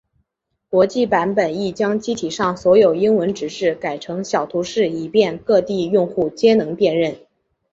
国际版本亦将机体上所有英文指示改成小图示以便各地用户皆能辨认。